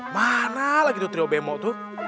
mana lagi tuh trio bemo tuh